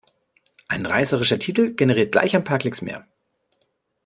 Ein reißerischer Titel generiert gleich ein paar Klicks mehr.